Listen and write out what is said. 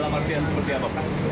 khusus dalam arti yang seperti apa pak